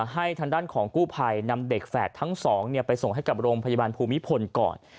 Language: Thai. ให้ทางด้านของกู้ภัยนำเด็กแฝดทั้งสองไปส่งให้กับโรงพยาบาลภูมิพลก่อน